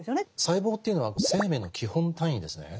細胞というのは生命の基本単位ですね。